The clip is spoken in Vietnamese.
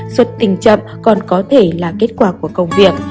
xuất tình chậm còn có thể là kết quả của công việc